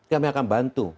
kami akan bantu